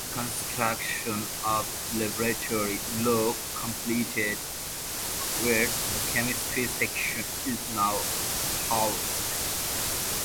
The construction of laboratory block completed where the Chemistry Section is now housed.